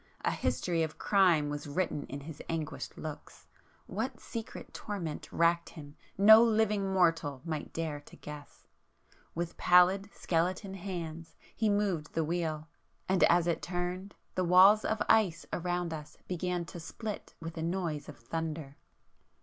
A history of crime was written in his anguished looks, ... what secret torment racked him no living mortal might dare to guess! With pallid skeleton hands he moved the wheel;—and as it turned, the walls of ice around us began to split with a noise of thunder.